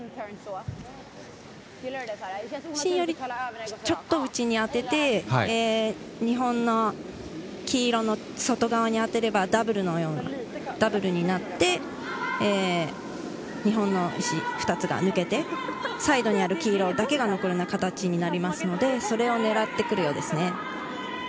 芯よりちょっと内に当てて、日本の黄色の外側に当てればダブルになって日本の石２つが抜けてサイドにある黄色だけが残る形になりますので、それを狙ってくるようです。